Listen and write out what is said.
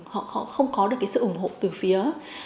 hoặc họ không có được cái sự ủng hộ từ phía